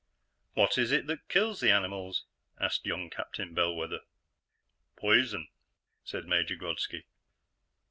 "What is it that kills the animals?" asked young Captain Bellwether. "Poison," said Major Grodski.